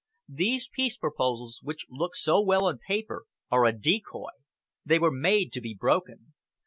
These peace proposals, which look so well on paper, are a decoy. They were made to be broken.